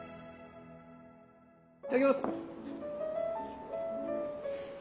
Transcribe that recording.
いただきます。